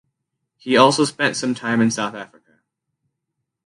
He also spent some time in South Africa.